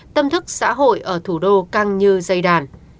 tâm thức xã hội ở thủ đô căng như dây đàn